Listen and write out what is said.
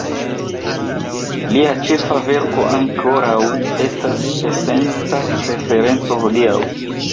Lia ĉefa verko ankoraŭ estas esenca referenco hodiaŭ.